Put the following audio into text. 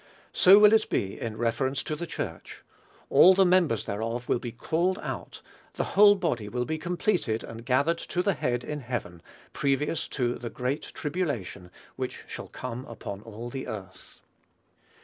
So will it be in reference to the Church. All the members thereof will be called out, the whole body will be completed and gathered to the Head in heaven, previous to "the great tribulation" which shall come upon all the earth.